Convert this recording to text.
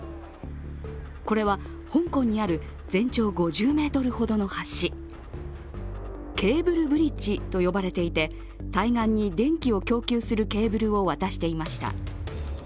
これは香港にある全長５０ｍほどの橋ケーブルブリッジと呼ばれていて、対岸に電気を供給するケーブルを渡していました。